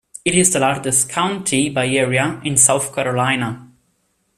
It is the largest county by area in South Carolina.